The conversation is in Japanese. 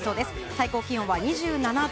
最高気温は２７度。